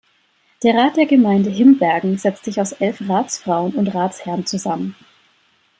Der Rat der Gemeinde Himbergen setzt sich aus elf Ratsfrauen und Ratsherren zusammen.